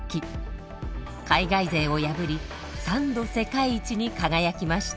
海外勢を破り３度世界一に輝きました。